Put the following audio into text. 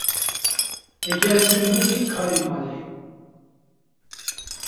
Heger tu nekî karê malê